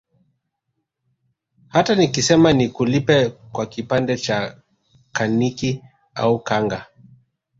Hata nikisema nikulipe kwa kipande cha kaniki au kanga